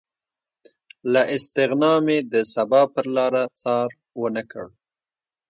له استغنا مې د سبا پرلاره څار ونه کړ